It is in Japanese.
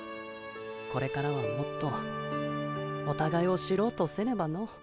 これからはもっとおたがいを知ろうとせねばの。